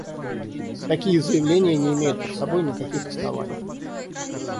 Такие заявления не имеют под собой никаких оснований.